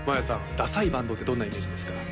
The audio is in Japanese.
ダサいバンドってどんなイメージですか？